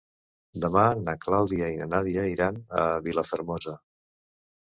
Demà na Carla i na Nàdia iran a Vilafermosa.